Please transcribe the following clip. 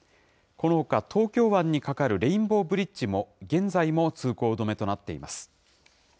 このほか、東京湾に架かるレインボーブリッジも、現在も通行止めとなっています。